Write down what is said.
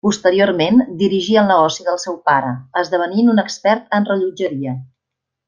Posteriorment dirigí el negoci del seu pare, esdevenint un expert en rellotgeria.